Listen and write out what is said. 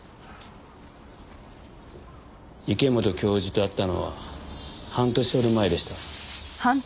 池本教授と会ったのは半年ほど前でした。